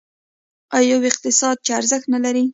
آیا یو اقتصاد چې ارزښت نلري؟